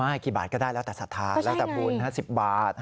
ไม่คือบาทก็ได้แล้วแต่ศาสตร์แล้วแต่บุญ๕๐บาท